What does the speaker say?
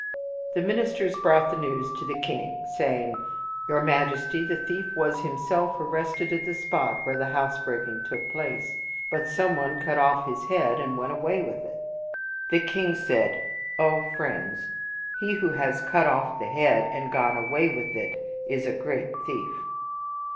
The ministers brought the news to the king, saying, " Your Majesty, the thief was himself arrested at the spot where the housebreaking took place; but some one cut off his head and went away with it." The king said, "O 170 The Clever Thief friends, he who has cut off the head and gone away with it is a great thief.